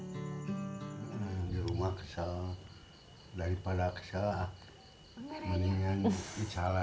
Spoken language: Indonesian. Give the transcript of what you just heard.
di rumah kesal